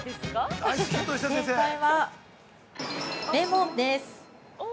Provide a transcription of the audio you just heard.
◆正解はレモンです。